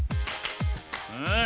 うん。